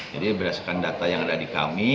jadi berdasarkan data yang ada di kabupaten